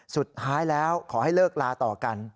สุดท้ายแล้วขอให้เลิกลาต่อกัน